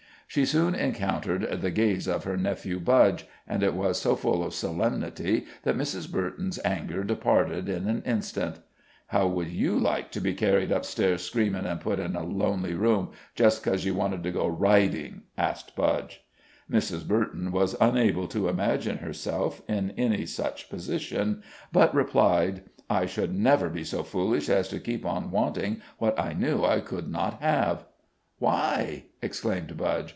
She soon encountered the gaze of her nephew Budge, and it was so full of solemnity that Mrs. Burton's anger departed in an instant. "How would you like to be carried up stairs screamin' an' put in a lonely room, just 'cause you wanted to go riding?" asked Budge. Mrs. Burton was unable to imagine herself in any such position, but replied: "I should never be so foolish as to keep on wanting what I knew I could not have." "Why!" exclaimed Budge.